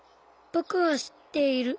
ぼくはしっている。